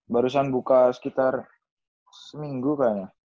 barusan buka sekitar seminggu kayaknya